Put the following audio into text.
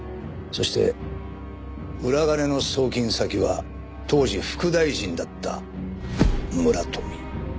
そして裏金の送金先は当時副大臣だった村富。